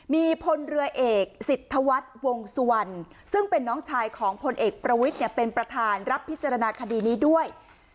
มีพลเรือเอกสิทธวัฒน์วงสุวรรณซึ่งเป็นน้องชายของพลเอกประวิทย์เป็นประธานรับพิจารณาคดีนี้ด้วย